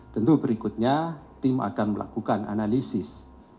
tentu berikutnya tim akan melakukan analisis